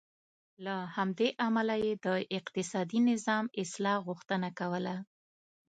له همدې امله یې د اقتصادي نظام اصلاح غوښتنه کوله.